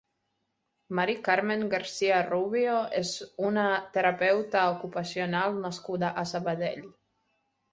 Mari Carmen García Rubio és una terapeuta ocupacional nascuda a Sabadell.